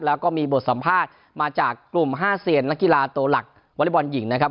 แล้วก็มีบทสัมภาษณ์มาจากกลุ่ม๕เซียนนักกีฬาตัวหลักวอเล็กบอลหญิงนะครับ